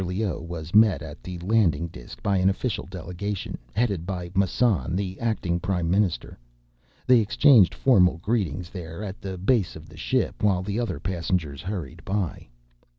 Leoh was met at the landing disk by an official delegation, headed by Massan, the acting prime minister. They exchanged formal greetings there at the base of the ship, while the other passengers hurried by.